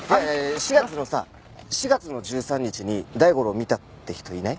４月のさ４月の１３日に大五郎を見たって人いない？